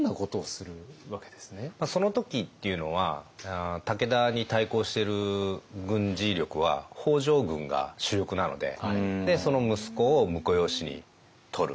その時っていうのは武田に対抗してる軍事力は北条軍が主力なのでその息子を婿養子に取る。